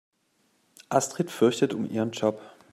Astrid fürchtet um ihren Job.